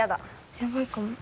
やばいかも。